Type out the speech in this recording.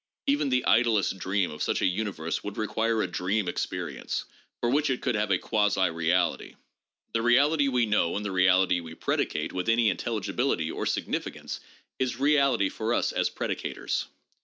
Even the idlest dream of such a universe would require a dream ex 274 THE PHILOSOPHICAL REVIEW. [Vol. XVI. perience for which it could have a quasi reality. The reality we know and the reality we predicate with any intelligibility or sig nificance is reality for us as predicators.